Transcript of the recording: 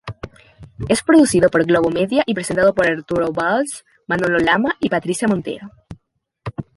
Es producido por Globomedia y presentado por Arturo Valls, Manolo Lama y Patricia Montero.